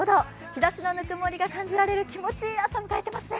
日ざしの温もりが感じられる気持ちのいい朝を迎えていますね。